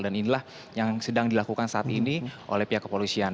dan inilah yang sedang dilakukan saat ini oleh pihak kepolisian